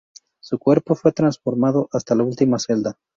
Su cuerpo fue transformado hasta la última celda.